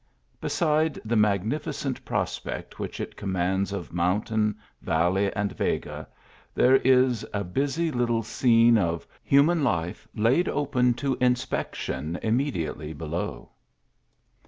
Beside the magnificent pros pect which it commands, of mountain, valley, and Vega, there is a busy little scene of human lite laid open to inspection immediately below.